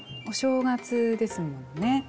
お正月ですもんね。